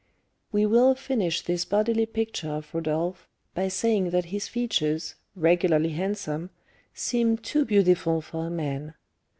We will finish this bodily picture of Rodolph by saying that his features, regularly handsome, seemed too beautiful for a man.